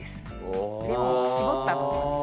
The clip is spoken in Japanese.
レモンを搾ったあとです。